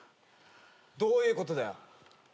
どういうことだよ。